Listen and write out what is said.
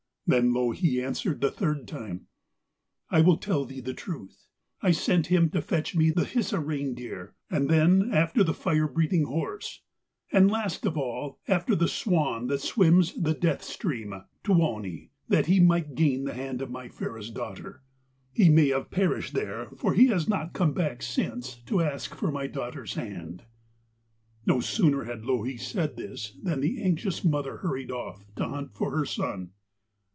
Then Louhi answered the third time: 'I will tell thee the truth. I sent him to fetch me the Hisi reindeer, and then after the fire breathing horse, and last of all, after the swan that swims the death stream, Tuoni, that he might gain the hand of my fairest daughter. He may have perished there, for he has not come back since to ask for my daughter's hand.' No sooner had Louhi said this than the anxious mother hurried off to hunt for her son.